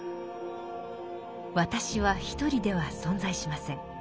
「私」は一人では存在しません。